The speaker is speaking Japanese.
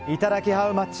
ハウマッチ。